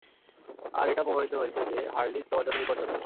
আর এটাও প্রমাণিত হয়েছে যে, হারলিন তোমার জন্য বিপদজনক!